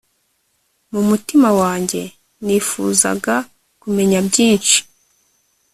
mu mutima wanjye nifuzaga kumenya byinshi